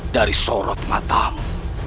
dari sorot matamu